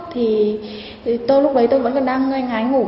thì tôi lúc đấy tôi vẫn còn đang ngây ngái ngủ